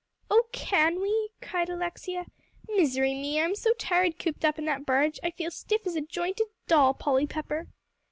"Oh, can we?" cried Alexia. "Misery me! I'm so tired cooped up in that barge, I feel stiff as a jointed doll, Polly Pepper."